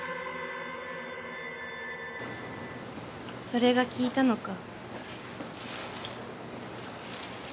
［それが効いたのか］